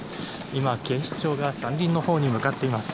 今、警視庁が山林のほうに向かっています。